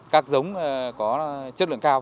các giống có chất lượng cao